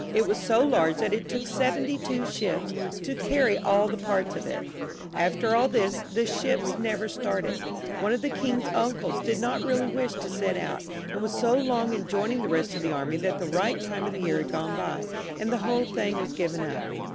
It was so large that it took seventy two ships to carry aU. the parts of it. After aU. this, the ships never started ; one of the king's uncles did not really wish to set out, and was so long in joining the rest of the army, that the right time of year had gone by, and the whole thing was given up.